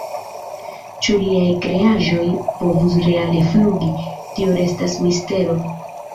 Ĉu liaj kreaĵoj povus reale flugi, tio restas mistero.